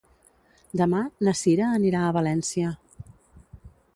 Demà na Cira anirà a València.